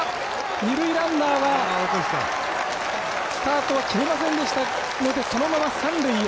二塁ランナーはスタートは切れませんでしたのでそのまま三塁へ。